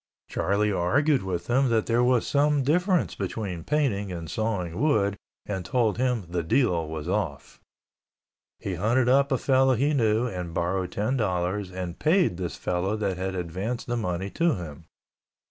Charlie argued with him that there was some difference between painting and sawing wood and told him the deal was off. He hunted up a fellow he knew and borrowed ten dollars and paid this fellow that had advanced the money to him.